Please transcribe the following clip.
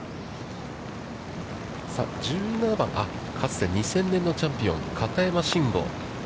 １７番、かつて２０００年のチャンピオン、片山晋呉。